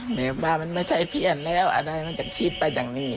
แบบว่ามันไม่ใช่เพื่อนแล้วอะไรมันจะคิดไปอย่างนี้